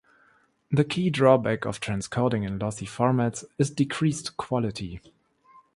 The key drawback of transcoding in lossy formats is decreased quality.